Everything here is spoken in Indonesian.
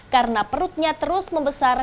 karena perutnya terus membesar